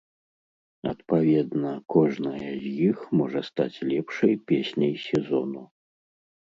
Адпаведна, кожная з іх можа стаць лепшай песняй сезону.